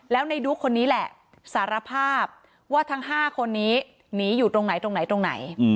แล้วในดุ๊กคนนี้แหละสารภาพว่าทั้ง๕คนนี้หนีอยู่ตรงไหนตรงไหนตรงไหน